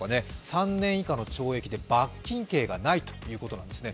３年以下の懲役で罰金刑がないということですね。